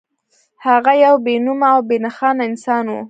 هغه يو بې نومه او بې نښانه انسان و.